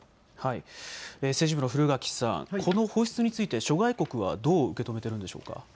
政治部の古垣さん、この放出について諸外国はどう受け止めていますか。